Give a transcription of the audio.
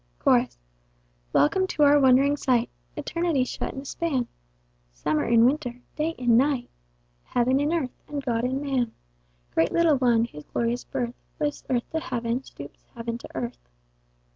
Chorus. Welcome to our wond'ring sight Eternity shut in a span! Summer in winter! Day in night! Heaven in Earth! and God in Man! Great little one, whose glorious birth, Lifts Earth to Heaven, stoops heaven to earth.